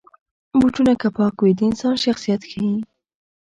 بوټونه که پاک وي، د انسان شخصیت ښيي.